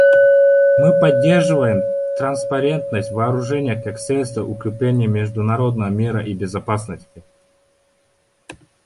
Мы поддерживаем транспарентность в вооружениях как средство укрепления международного мира и безопасности.